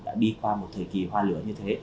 đã đi qua một thời kỳ hoa lửa như thế